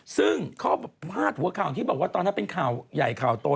ซึ่งข้อพาดหัวข่าวที่บอกว่าตอนนั้นเป็นข่าวใหญ่ข่าวโต